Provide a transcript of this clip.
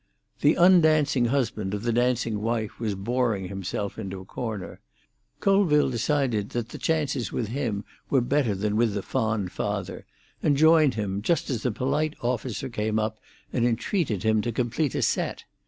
The undancing husband of the dancing wife was boring himself in a corner; Colville decided that the chances with him were better than with the fond father, and joined him, just as a polite officer came up and entreated him to complete a set.